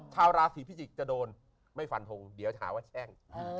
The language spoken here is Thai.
ถ้าราสีพิจิกจะโดนไม่ฝันพงเดี๋ยวหาว่าแช่ง